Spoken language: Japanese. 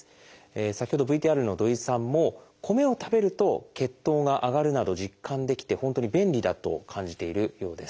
先ほどＶＴＲの土井さんも米を食べると血糖が上がるなど実感できて本当に便利だと感じているようです。